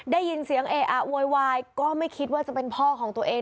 ได้ยินเสียงเออะโวยวายก็ไม่คิดว่าจะเป็นพ่อของตัวเอง